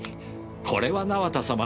これは名和田様。